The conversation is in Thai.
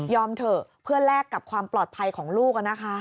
เถอะเพื่อแลกกับความปลอดภัยของลูก